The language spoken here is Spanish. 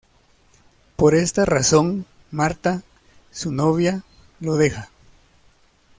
Por esta razón Marta, su novia, lo deja.